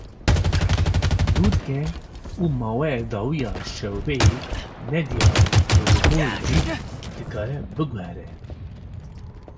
Lûtke û maweya dawî ya şewbeyê nediyar e û li gor cih dikare biguhere.